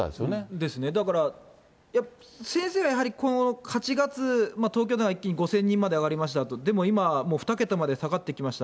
ですね、だから、やっぱり、先生はやはり、８月、東京では一気に５０００人まで上がりました、でも今、もう２桁まで下がってきました。